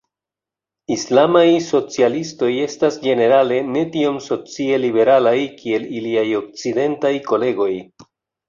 Islamaj socialistoj estas ĝenerale ne tiom socie liberalaj kiel iliaj okcidentaj kolegoj.